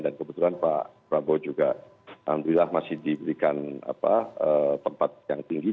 dan kebetulan pak prabowo juga alhamdulillah masih diberikan tempat yang tinggi